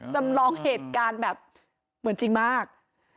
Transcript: จำลองเหตุการณ์แบบเหมือนจริงมาก